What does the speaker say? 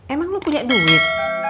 emang lu punya duit